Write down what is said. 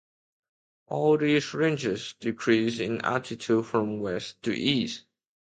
All these ranges decrease in altitude from west to east.